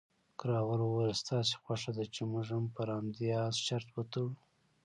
کراول وویل، ستاسې خوښه ده چې موږ هم پر همدې اس شرط وتړو؟